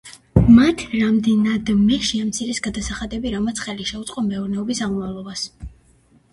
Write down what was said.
მათ რამდენადმე შეამცირეს გადასახადები, რამაც ხელი შეუწყო მეურნეობის აღმავლობას.